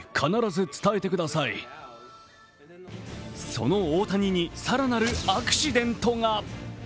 その大谷に、更なるアクシデントが！